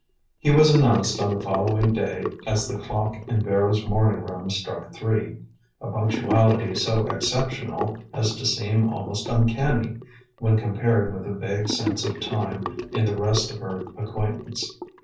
He was announced on the following day as the clock in Vera's morning room struck three, a punctuality so exceptional as to seem almost uncanny, when compared with the vague sense of time in the rest of her acquaintance.